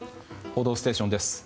「報道ステーション」です。